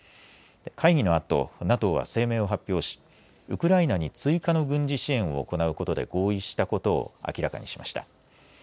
会議のあとＮＡＴＯは声明を発表しウクライナに追加の軍事支援を行うことで合意したことを明らかにしました。